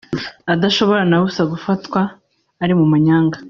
adashobora na busa gufatwa ari mu manyanga